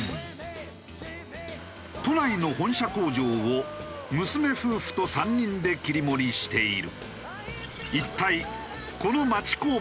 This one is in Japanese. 都内の本社工場を娘夫婦と３人で切り盛りしている。